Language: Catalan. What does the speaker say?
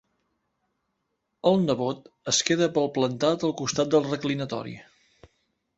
El nebot es queda palplantat al costat del reclinatori.